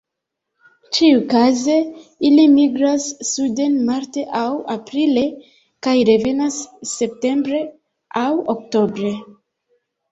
Ĉiukaze ili migras suden marte aŭ aprile kaj revenas septembre aŭ oktobre.